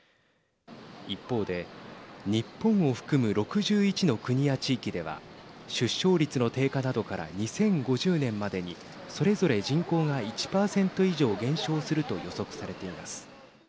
一方で日本を含む６１の国や地域では出生率の低下などから２０５０年までにそれぞれ人口が１％以上減少すると予測されています。